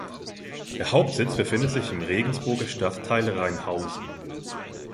Der Hauptsitz befindet sich im Regensburger Stadtteil Reinhausen.